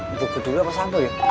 eh buku dulu apa sampul ya